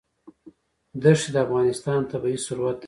دښتې د افغانستان طبعي ثروت دی.